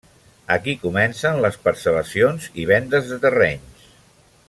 Aquí comencen les parcel·lacions i vendes de terrenys.